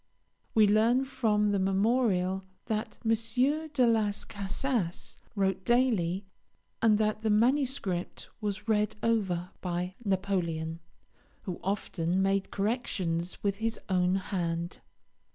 We learn from the Memorial that M. de Las Casas wrote daily, and that the manuscript was read over by Napoleon, who often made corrections with his own hand.